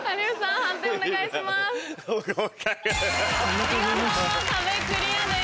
見事壁クリアです。